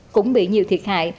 cũng bị nhiều thiệt hại